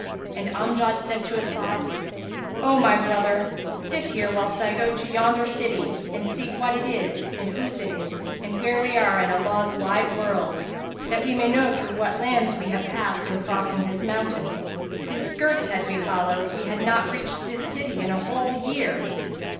and Amjad said to As'ad, "O my brother, sit here, whilst I go to yonder city and see what it is and whose it is and where we are in Allah's wide world, that we may know through what lands we have passed in crossing this mountain, whose skirts had we followed, we had not reached this city in a whole year.